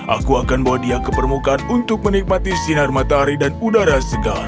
aku akan bawa dia ke permukaan untuk menikmati sinar matahari dan udara segar